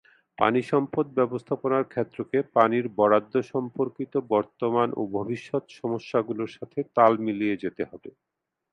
পানি সম্পদ ব্যবস্থাপনার ক্ষেত্রকে পানির বরাদ্দ সম্পর্কিত বর্তমান ও ভবিষ্যৎ সমস্যাগুলোর সাথে তাল মিলিয়ে যেতে হবে।